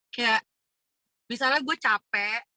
kayak misalnya gue cakup